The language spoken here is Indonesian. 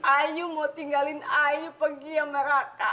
ayu mau tinggalin ayu pergi sama raka